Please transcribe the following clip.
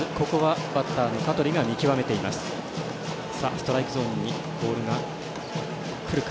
ストライクゾーンにボールがくるか。